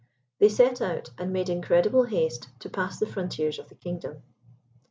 They set out, and made incredible haste to pass the frontiers of the kingdom.